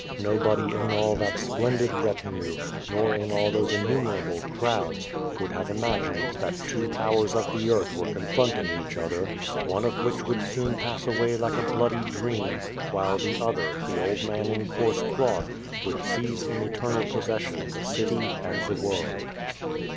Nobody in all that splendid retinue, nor in all those innumerable crowds, could have imagined that two powers of the earth were confronting each other, one of which would soon pass away like a bloody dream, while the other, the old man in coarse cloth, would seize in eternal possession the city and the world.